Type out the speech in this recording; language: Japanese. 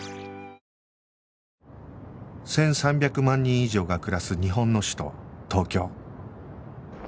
１３００万人以上が暮らす日本の首都東京